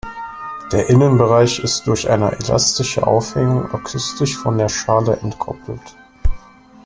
Der Innenbereich ist durch eine elastische Aufhängung akustisch von der Schale entkoppelt.